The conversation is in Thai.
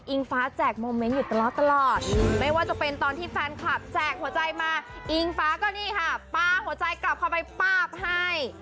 ฟ้าแจกโมเมนต์อยู่ตลอดไม่ว่าจะเป็นตอนที่แฟนคลับแจกหัวใจมาอิงฟ้าก็นี่ค่ะปลาหัวใจกลับเข้าไปป้าบให้